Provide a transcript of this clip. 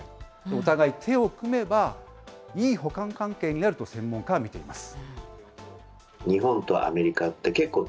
お互い手を組めば、いい補完関係になると専門家は見ています。